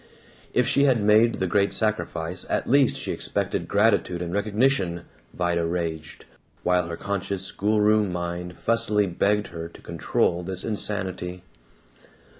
If she had made the great sacrifice, at least she expected gratitude and recognition, Vida raged, while her conscious schoolroom mind fussily begged her to control this insanity.